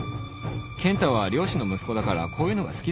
ケン太は漁師の息子だからこういうのが好きだろ